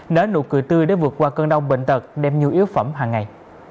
nới nụ cười tươi để vượt qua cơn đau bệnh tật đem nhu yếu phẩm hàng ngày